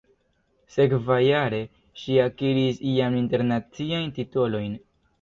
Sekvajare, ŝi akiris jam internaciajn titolojn.